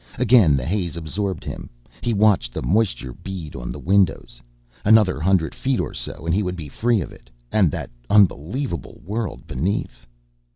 Again the haze absorbed him. He watched the moisture bead on the windows. Another hundred feet or so and he would be free of it and that unbelievable world beneath.